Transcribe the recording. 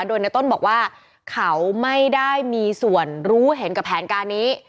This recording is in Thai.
โดยในต้นบอกว่าเขาไม่ได้มีส่วนรู้เห็นกับแผนการนี้